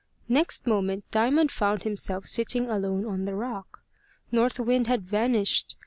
Next moment Diamond found himself sitting alone on the rock. North Wind had vanished.